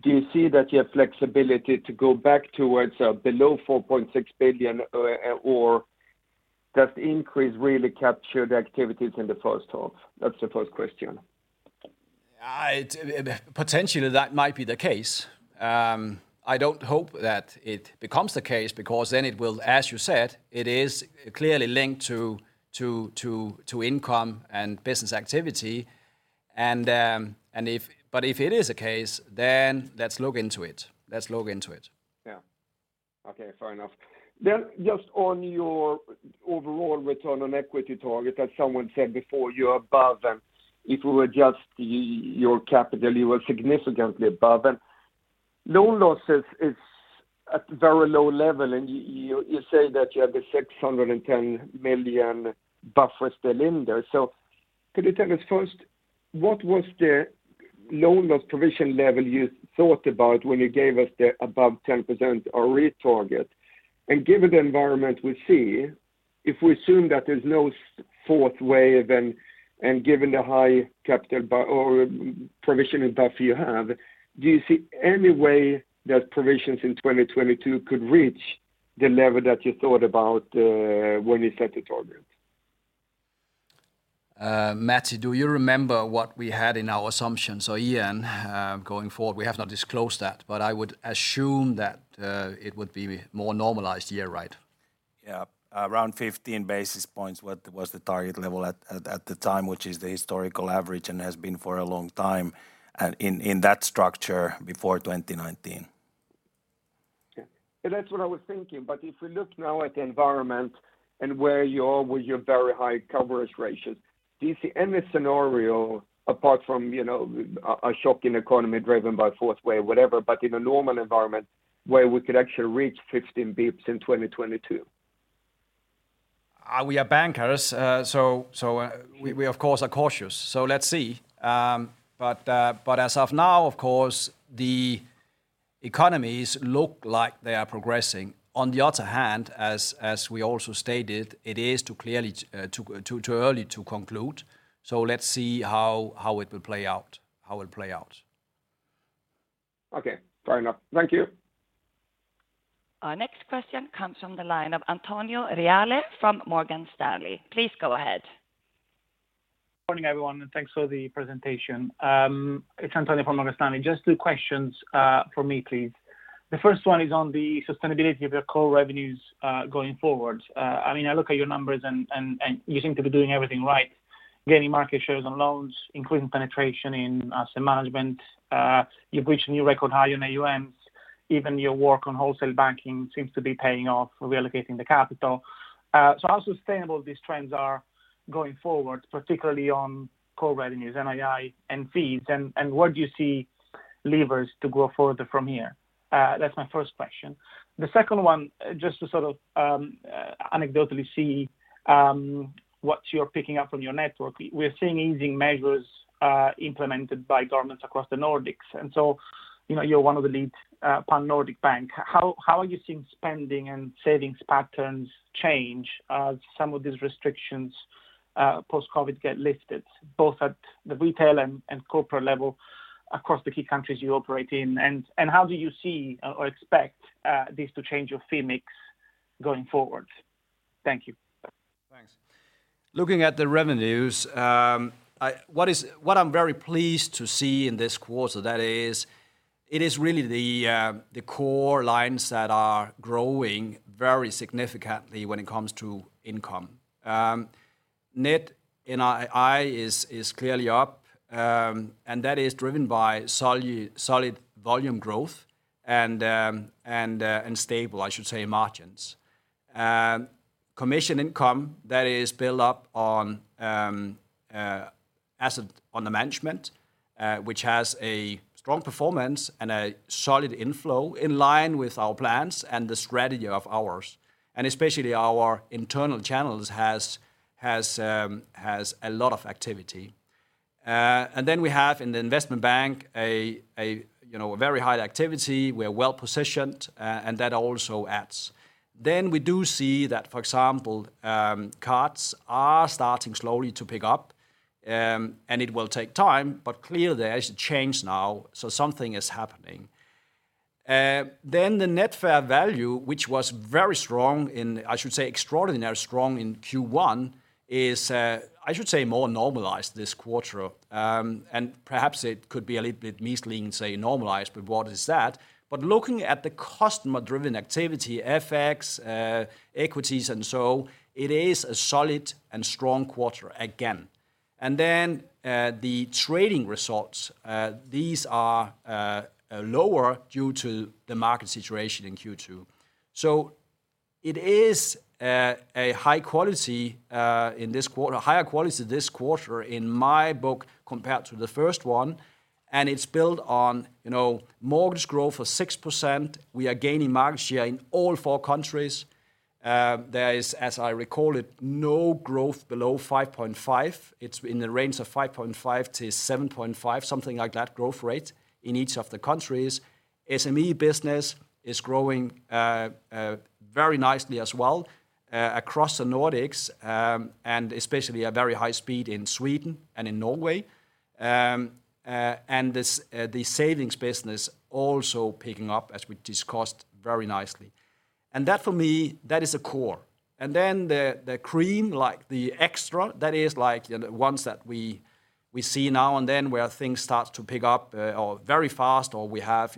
do you see that you have flexibility to go back towards below 4.6 billion, or does the increase really capture the activities in the first half? That's the first question. Potentially that might be the case. I don't hope that it becomes the case because then it will, as you said, it is clearly linked to income and business activity. If it is the case, then let's look into it. Yeah. Okay. Fair enough. Just on your overall return on equity target, as someone said before, you're above them. If we adjust your capital, you are significantly above. Loan losses is at very low level, and you say that you have the 610 million buffer still in there. Could you tell us first, what was the loan loss provision level you thought about when you gave us the above 10% RE target? Given the environment we see, if we assume that there's no fourth wave, and given the high capital or provisioning buffer you have, do you see any way that provisions in 2022 could reach the level that you thought about when you set the target? Matti, do you remember what we had in our assumptions, or Ian? Going forward, we have not disclosed that, but I would assume that it would be more normalized year, right? Yeah. Around 15 basis points was the target level at the time, which is the historical average and has been for a long time, and in that structure before 2019. Okay. That's what I was thinking. If we look now at the environment and where you are with your very high coverage ratios, do you see any scenario apart from a shock in economy driven by fourth wave, whatever, but in a normal environment where we could actually reach 15 basis points in 2022? We are bankers, so we of course are cautious, so let's see. As of now, of course, the economies look like they are progressing. On the other hand, as we also stated, it is too early to conclude. Let's see how it will play out. Okay. Fair enough. Thank you. Our next question comes from the line of Antonio Reale from Morgan Stanley. Please go ahead. Morning, everyone, and thanks for the presentation. It's Antonio from Morgan Stanley. Just two questions from me, please. The first one is on the sustainability of your core revenues going forward. I look at your numbers. You seem to be doing everything right. Gaining market shares on loans, increasing penetration in asset management. You've reached a new record high on AUM. Even your work on wholesale banking seems to be paying off reallocating the capital. How sustainable these trends are going forward, particularly on core revenues, NII, and fees? Where do you see levers to go further from here? That's my first question. The second one, just to anecdotally see what you're picking up from your network. We're seeing easing measures implemented by governments across the Nordics. You're one of the lead Pan-Nordic bank. How are you seeing spending and savings patterns change as some of these restrictions post-COVID get lifted, both at the retail and corporate level across the key countries you operate in? How do you see or expect this to change your fee mix going forward? Thank you. Thanks. Looking at the revenues, what I'm very pleased to see in this quarter, it is really the core lines that are growing very significantly when it comes to income. Net NII is clearly up, that is driven by solid volume growth and stable, I should say, margins. Commission income that is built up on the Management, which has a strong performance and a solid inflow in line with our plans and the strategy of ours, and especially our internal channels has a lot of activity. We have in the investment bank a very high activity. We are well-positioned, that also adds. We do see that, for example, cards are starting slowly to pick up, and it will take time, but clearly there is a change now, so something is happening. The net fair value, which was very strong in, I should say, extraordinarily strong in Q1 is, I should say, more normalized this quarter. Perhaps it could be a little bit misleading to say normalized with what is that. Looking at the customer-driven activity, FX, equities, and so it is a solid and strong quarter again. The trading results, these are lower due to the market situation in Q2. It is a higher quality this quarter in my book compared to the first one. It's built on mortgage growth of 6%. We are gaining market share in all four countries. There is, as I recall it, no growth below 5.5%. It's in the range of 5.5%-7.5%, something like that growth rate in each of the countries. SME business is growing very nicely as well across the Nordics, especially at very high speed in Sweden and in Norway. The savings business also picking up, as we discussed, very nicely. That, for me, that is a core. Then the cream, like the extra, that is the ones that we see now and then where things start to pick up or very fast, or we have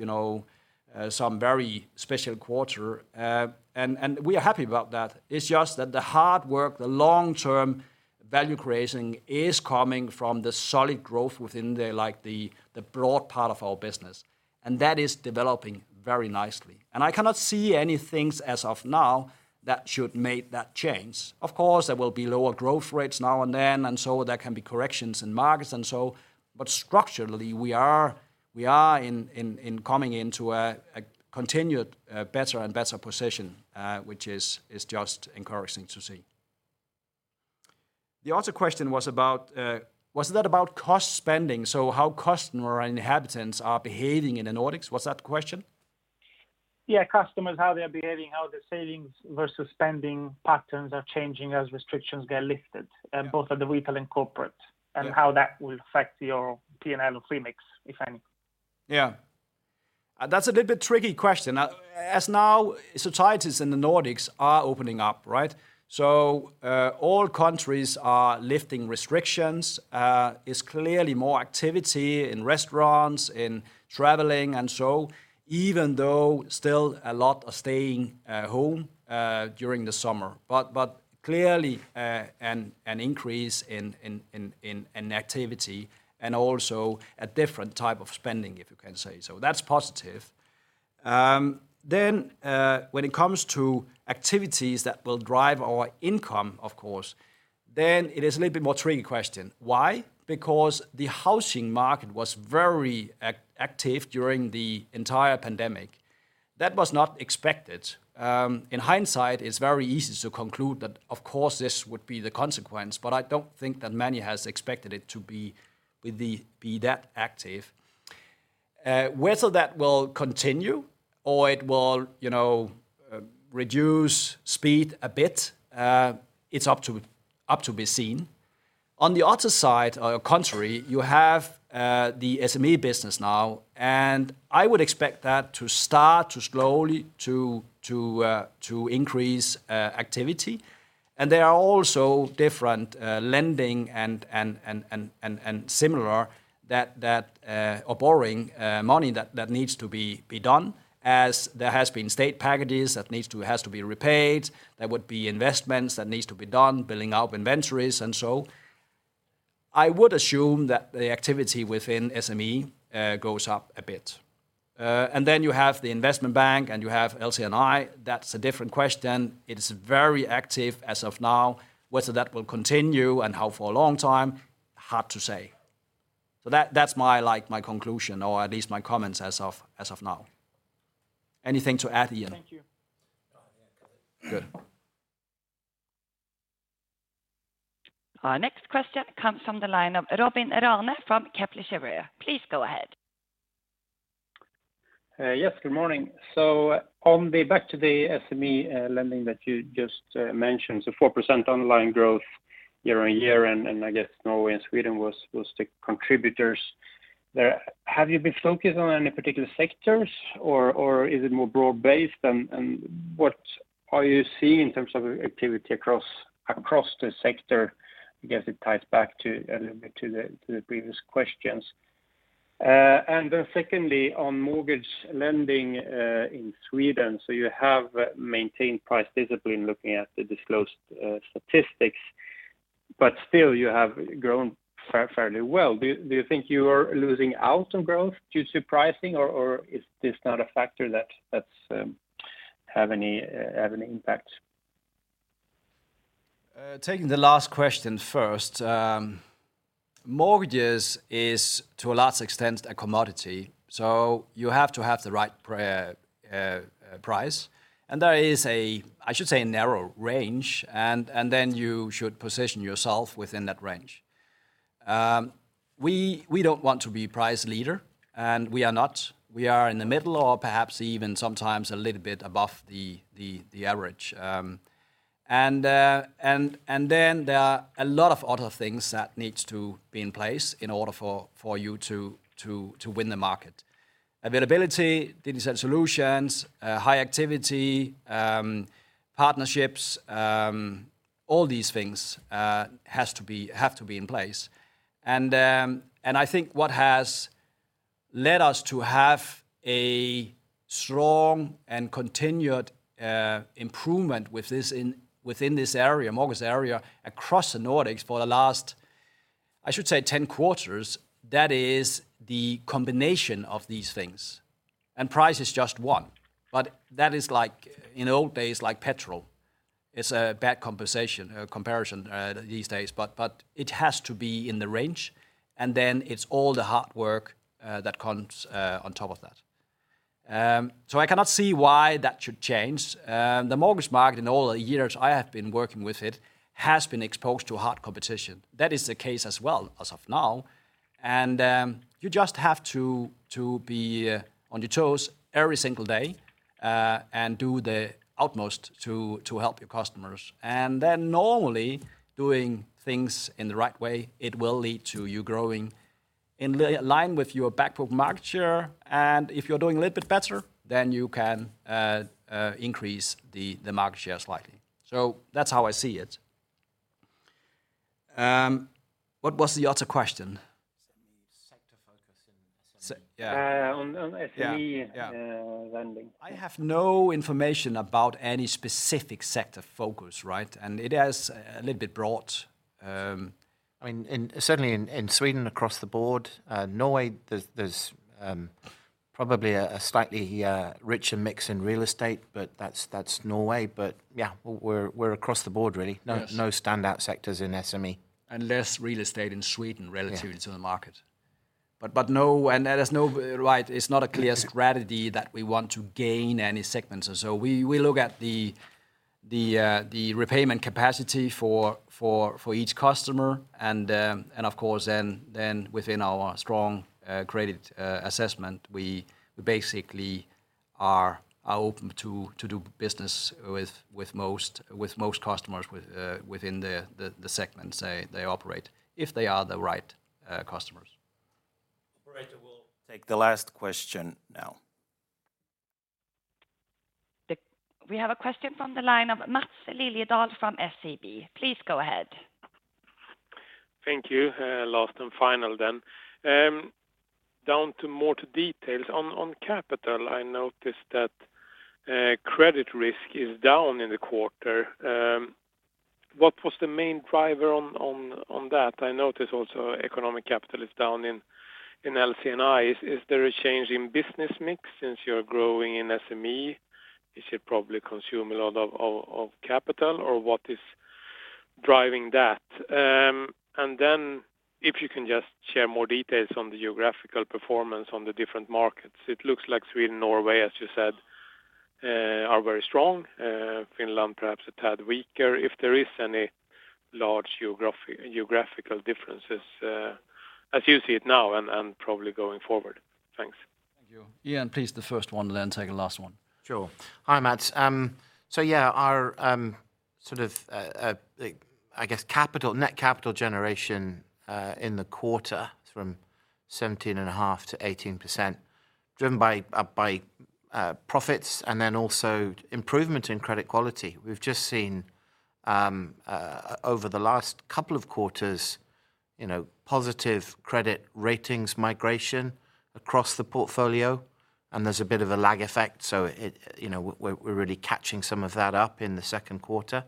some very special quarter. We are happy about that. It's just that the hard work, the long-term value creating, is coming from the solid growth within the broad part of our business, and that is developing very nicely. I cannot see anything as of now that should make that change. Of course, there will be lower growth rates now and then, and so there can be corrections in markets and so, but structurally we are in coming into a continued better and better position, which is just encouraging to see. The other question, was that about cost spending? How customer inhabitants are behaving in the Nordics? Was that the question? Yeah, customers, how they're behaving, how the savings versus spending patterns are changing as restrictions get lifted, both at the retail and corporate. Yeah. How that will affect your P&L or fee mix, if any. That's a little bit tricky question. As now societies in the Nordics are opening up, right? All countries are lifting restrictions. It's clearly more activity in restaurants, in traveling, and so, even though still a lot are staying home during the summer. Clearly, an increase in activity and also a different type of spending, if you can say. When it comes to activities that will drive our income, of course, it is a little bit more tricky question. Why? The housing market was very active during the entire pandemic. That was not expected. In hindsight, it's very easy to conclude that of course this would be the consequence, but I don't think that many has expected it to be that active. Whether that will continue or it will reduce speed a bit, it's up to be seen. On the other side, or contrary, you have the SME business now. I would expect that to start to slowly increase activity. There are also different lending and similar that are borrowing money that needs to be done as there has been state packages that has to be repaid. There would be investments that needs to be done, building up inventories and so. I would assume that the activity within SME goes up a bit. You have the investment bank and you have LC&I. That's a different question. It is very active as of now. Whether that will continue and how for a long time, hard to say. That's my conclusion or at least my comments as of now. Anything to add, Ian? Thank you. Good. Our next question comes from the line of Robin Rane from Kepler Cheuvreux. Please go ahead. Yes, good morning. On the back to the SME lending that you just mentioned, so 4% online growth year-on-year, and I guess Norway and Sweden was the contributors there. Have you been focused on any particular sectors or is it more broad-based, and what are you seeing in terms of activity across the sector? I guess it ties back a little bit to the previous questions. Secondly, on mortgage lending in Sweden. You have maintained price discipline looking at the disclosed statistics, but still you have grown fairly well. Do you think you are losing out on growth due to pricing or is this not a factor that have any impact? Taking the last question first. Mortgages is to a large extent a commodity, so you have to have the right price, and there is, I should say, a narrow range, and then you should position yourself within that range. We don't want to be price leader, and we are not. We are in the middle or perhaps even sometimes a little bit above the average. There are a lot of other things that needs to be in place in order for you to win the market. Availability, digital solutions, high activity, partnerships, all these things have to be in place. I think what has led us to have a strong and continued improvement within this area, mortgage area, across the Nordics for the last, I should say, 10 quarters, that is the combination of these things. Price is just one. That is like in old days, like petrol. It's a bad comparison these days, but it has to be in the range, and then it's all the hard work that comes on top of that. I cannot see why that should change. The mortgage market, in all the years I have been working with it, has been exposed to hard competition. That is the case as well as of now, and you just have to be on your toes every single day, and do the utmost to help your customers. Normally doing things in the right way, it will lead to you growing in line with your back book market share. If you're doing a little bit better, then you can increase the market share slightly. That's how I see it. What was the other question? Sector focus in SME. Yeah. On SME. Yeah. Lending. I have no information about any specific sector focus, right? It is a little bit broad. I mean, certainly in Sweden, across the board. Norway, there's probably a slightly richer mix in real estate, but that's Norway. Yeah, we're across the board really. Yes. No standout sectors in SME. Less real estate in Sweden relative. Yeah. To the market. No, there is no, it is not a clear strategy that we want to gain any segments. We look at the repayment capacity for each customer, and of course then within our strong credit assessment, we basically are open to do business with most customers within the segments they operate if they are the right customers. Operator, we'll take the last question now. We have a question from the line of Maths Liljedahl from SEB. Please go ahead. Thank you. Last and final then. Down to more to details. On capital, I noticed that credit risk is down in the quarter. What was the main driver on that? I notice also economic capital is down in LC&I. Is there a change in business mix since you're growing in SME? It should probably consume a lot of capital, or what is driving that? If you can just share more details on the geographical performance on the different markets. It looks like Sweden and Norway, as you said, are very strong, Finland perhaps a tad weaker. If there is any large geographical differences, as you see it now and probably going forward. Thanks. Thank you. Ian, please the first one, then take the last one. Sure. Hi, Maths. Our net capital generation in the quarter from 17.5%-18%, driven by profits and then also improvement in credit quality. We've just seen over the last couple of quarters positive credit ratings migration across the portfolio, and there's a bit of a lag effect. We're really catching some of that up in the second quarter.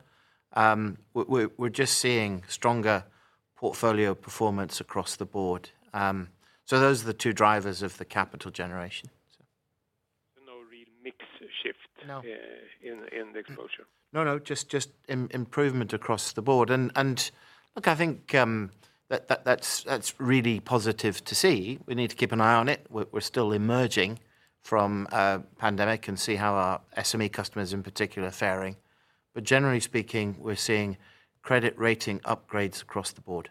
We're just seeing stronger portfolio performance across the board. Those are the two drivers of the capital generation. No real mix shift. No. In the exposure. Just improvement across the board. Look, I think that's really positive to see. We need to keep an eye on it. We're still emerging from pandemic and see how our SME customers in particular are fairing. Generally speaking, we're seeing credit rating upgrades across the board.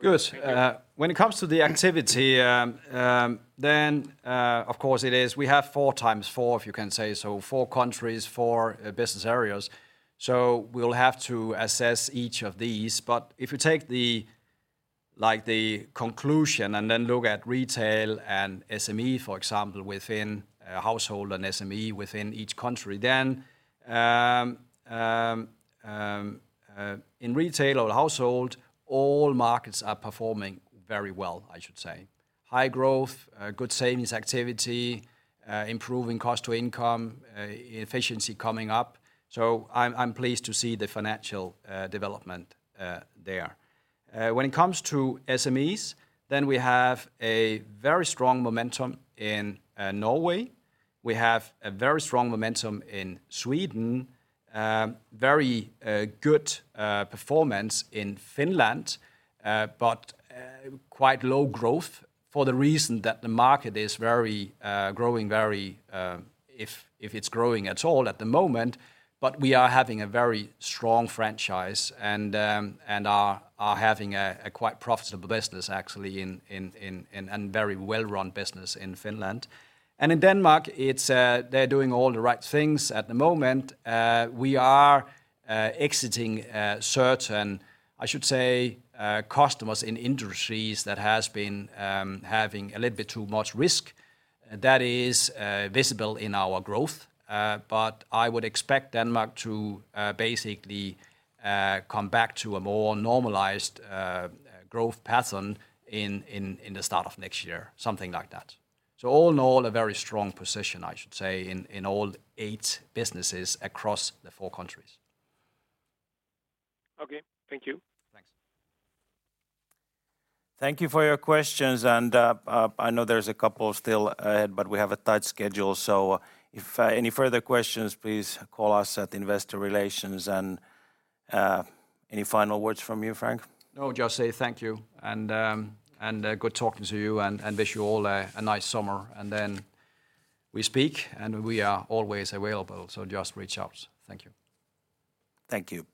Good. When it comes to the activity, of course, we have four times four, if you can say, so four countries, four business areas. We'll have to assess each of these, but if you take the conclusion and look at retail and SME, for example, within household and SME within each country, in retail or household, all markets are performing very well, I should say. High growth, good savings activity, improving cost to income, efficiency coming up. I'm pleased to see the financial development there. When it comes to SMEs, we have a very strong momentum in Norway. We have a very strong momentum in Sweden. Very good performance in Finland, but quite low growth for the reason that the market is growing very, if it's growing at all at the moment. We are having a very strong franchise and are having a quite profitable business actually, and very well-run business in Finland. In Denmark, they're doing all the right things at the moment. We are exiting certain, I should say, customers in industries that has been having a little bit too much risk. That is visible in our growth. I would expect Denmark to basically come back to a more normalized growth pattern in the start of next year, something like that. All in all, a very strong position, I should say, in all eight businesses across the four countries. Okay. Thank you. Thanks. Thank you for your questions. I know there's a couple still ahead. We have a tight schedule. If any further questions, please call us at investor relations. Any final words from you, Frank? No, just say thank you, and good talking to you, and wish you all a nice summer. Then we speak, and we are always available, so just reach out. Thank you. Thank you.